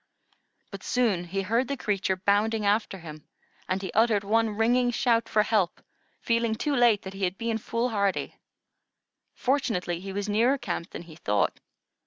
But soon he heard the creature bounding after him, and he uttered one ringing shout for help, feeling too late that he had been foolhardy. Fortunately, he was nearer camp than he thought.